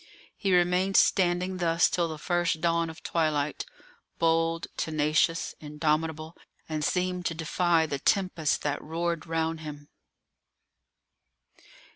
He remained standing thus till the first dawn of twilight, bold, tenacious, indomitable, and seemed to defy the tempest that roared round him.